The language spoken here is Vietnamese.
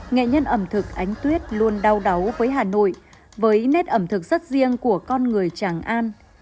nghệ nhân ẩm thực ánh tuyết luôn đau đáu với hà nội với nét ẩm thực rất riêng của con người tràng an